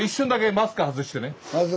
マスク外して。